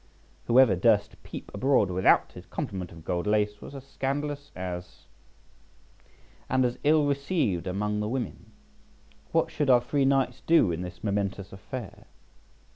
Whoever durst peep abroad without his complement of gold lace was as scandalous as a —, and as ill received among the women. What should our three knights do in this momentous affair?